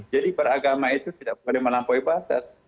jadi para agama itu tidak boleh melampaui batas